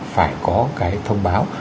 phải có cái thông báo